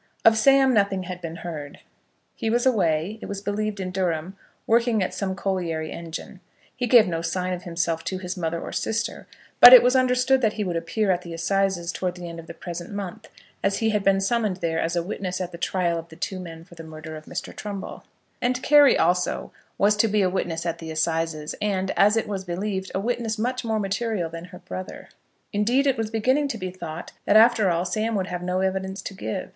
Of Sam nothing had been heard. He was away, it was believed in Durham, working at some colliery engine. He gave no sign of himself to his mother or sister; but it was understood that he would appear at the assizes, towards the end of the present month, as he had been summoned there as a witness at the trial of the two men for the murder of Mr. Trumbull. And Carry, also, was to be a witness at the assizes; and, as it was believed, a witness much more material than her brother. Indeed, it was beginning to be thought that after all Sam would have no evidence to give.